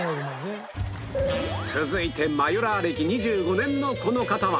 続いてマヨラー歴２５年のこの方は